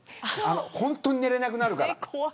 本当に寝れなくなるから。